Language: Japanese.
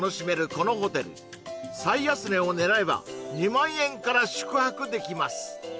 このホテル最安値を狙えば２００００円から宿泊できます